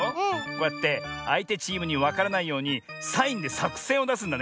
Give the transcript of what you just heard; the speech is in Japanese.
こうやってあいてチームにわからないようにサインでさくせんをだすんだね。